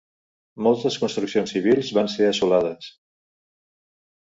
Moltes construccions civils van ser assolades.